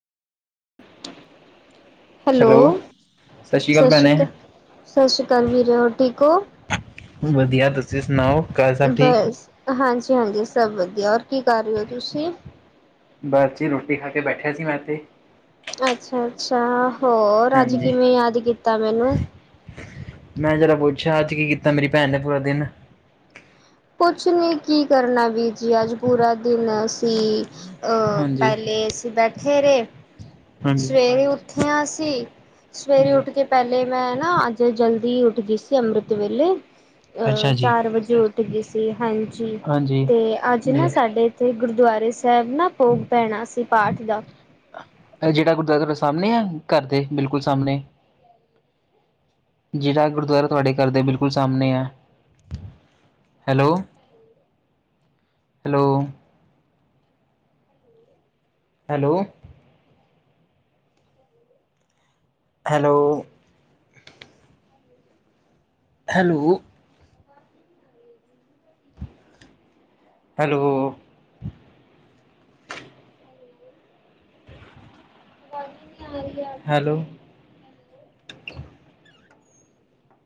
Hello, ਸ਼੍ਰੀ ਅਕਾਲ ਸਤਿ ਸ੍ਰੀ ਭੈਣੇ। ਅਕਾ ਸਤਿ ਸ਼੍ਰੀ ਅਕਾਲ ਵੀਰੋ ਹੋਰ ਠੀਕ ਔ? ਵਧੀਆ, ਤੁਸੀਂ ਸੁਣਾਓ ਘਰ ਸਭ ਠੀਕ? ਹਾਂਜੀ-ਹਾਂਜੀ ਸਭ ਵਧੀਆ, ਔਰ ਕੀ ਕਰ ਰਹੇ ਔ ਤੁਸੀਂ? ਬਸ ਜੀ ਰੋਟੀ ਖਾ ਕੇ ਬੈਠਿਆ ਸੀ ਮੈਂ ਤੇ ਅੱਛਾ-ਅੱਛਾ ਹੋਰ ਅੱਜ ਹਾਂਜੀ ਕਿਵੇਂ ਯਾਦ ਕੀਤਾ ਮੈਨੂੰ? ਮੈਂ ਜਰਾ ਪੁੱਛਾ ਅੱਜ ਕੀ ਕੀਤਾ ਮੇਰੀ ਭੈਣ ਨੇ ਪੂਰਾ ਦਿਨ ਕੁਛ ਨੀ ਕੀ ਕਰਨਾ ਵੀਰ ਜੀ ਅੱਜ ਪੂਰਾ ਦਿਨ ਅਸੀਂ ਆ ਹਾਂਜੀ। ਪਹਿਲੇ ਅਸੀਂ ਬੈਠੇ ਰੇ। ਹਾਂਜੀ। ਸਵੇਰੇ ਉਠੇ ਆ ਅਸੀਂ ਸਵੇਰੇ ਹਾਂਜੀ। ਉਠ ਕੇ ਪਹਿਲੇ ਮੈਂ ਨਾ ਅੱਜ ਜਲਦੀ ਉਠ ਗਈ ਸੀ ਅੰਮ੍ਰਿਤ ਵੇਲੇ, ਅੱਛਾ ਅ ਜੀ ਚਾਰ ਵਜੇ ਉ ਉਠ ਗਈ ਸੀ ਹਾਂਜੀ, ਹਾਂਜੀ ਤੇ ਅੱਜ ਜੀ। ਨਾ ਇਹ ਸਾਡੇ ਤੇ ਗੁਰਦੁਆਰੇ ਸਾਹਿਬ ਨਾ ਭੋਗ ਪੈਣਾ ਸੀ ਪਾਠ ਦਾ ਜੇੜਾ ਗੁਰਦੁਆਰਾ ਥੋਡੇ ਸਾਮਣੇ ਆ ਘਰ ਦੇ ਬਿਲਕੁਲ ਸਾਮਨੇ ਜਿਹੜਾ ਗੁਰਦੁਆਰਾ ਤੁਹਾਡੇ ਘਰ ਦੇ ਬਿਲਕੁਲ ਸਾਮਣੇ ਐ। Hello hello, hello hello hello hello ਆਵਾਜ਼ ਈ ਨਈਂ ਆ ਰਈ ਆ, ਹੈਲੋ